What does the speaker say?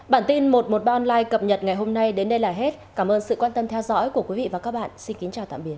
bản tin một trăm một mươi ba online cập nhật ngày hôm nay đến đây là hết cảm ơn sự quan tâm theo dõi của quý vị và các bạn xin kính chào tạm biệt